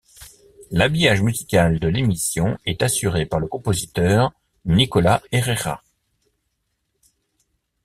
L’habillage musical de l’émission est assuré par le compositeur Nicolas Errèra.